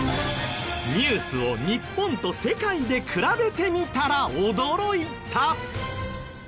ニュースを日本と世界で比べてみたら驚いた！